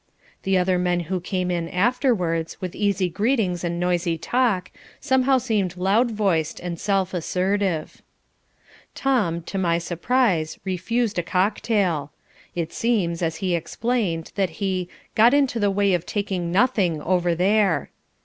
The other men who came in afterwards, with easy greetings and noisy talk, somehow seemed loud voiced and self assertive. Tom, to my surprise, refused a cocktail. It seems, as he explained, that he "got into the way of taking nothing over there."